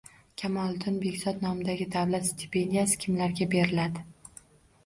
Kamoliddin Behzod nomidagi davlat stipendiyasi kimlarga beriladi?